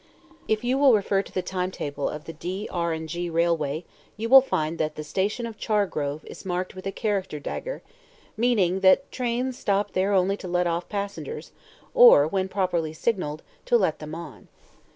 If you will refer to the time table of the D. R. & G. Railway you will find that the station of Chargrove is marked with a character dagger ([Picture: Character dagger]), meaning that trains stop there only to let off passengers or, when properly signaled, to let them on.